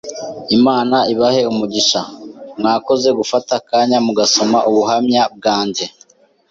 Imana ibahe umugisha, mwakoze gufata akanya mugasoma ubuhamya bwanjye